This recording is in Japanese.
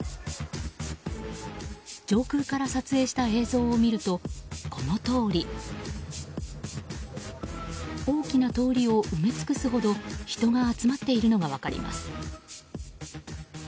上空から撮影した映像を見るとこのとおり。大きな通りを埋め尽くすほど人が集まっているのが分かります。